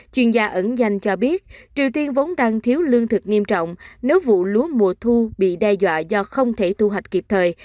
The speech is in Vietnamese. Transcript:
chuyên gia ẩn danh cho biết triều tiên vốn đang thiếu lương thực nghiêm trọng nếu vụ lúa mùa thu bị đe dọa do không thể thu hoạch kịp thời